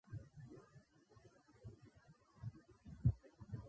ملي کلتور د افغانستان له افغاني ارزښتونو او دودونو سره پوره تړاو لري.